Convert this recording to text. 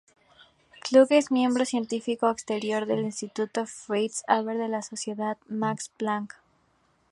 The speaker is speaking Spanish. Klug es miembro científico exterior del Instituto Fritz Haber de la Sociedad Max Planck.